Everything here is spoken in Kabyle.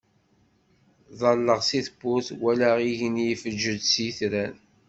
Ḍalleɣ si tewwurt walaɣ igenni ifeǧǧeǧ s yitran.